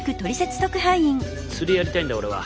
釣りやりたいんだ俺は。